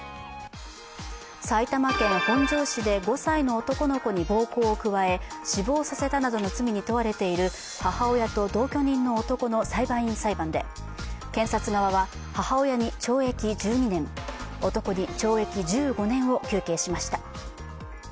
埼玉県本庄市で５歳の男の子に暴行を加え、死亡させたなどの罪に問われている母親と同居人の男の裁判員裁判で検察側は母親に懲役１２年、男に懲役１５年を求刑しました。